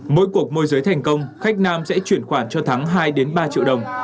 mỗi cuộc môi giới thành công khách nam sẽ chuyển khoản cho thắng hai ba triệu đồng